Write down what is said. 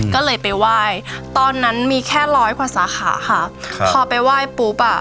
ก็เลยไปไหว้ตอนนั้นมีแค่ร้อยกว่าสาขาค่ะครับพอไปไหว้ปุ๊บอ่ะ